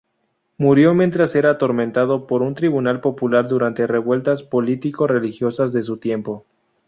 Murió mientras era atormentado por un tribunal popular durante revueltas político-religiosas de su tiempo.